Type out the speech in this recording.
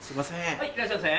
はいいらっしゃいませ。